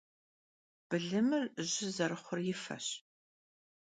Былымыр жьы зэрыхъур и фэщ.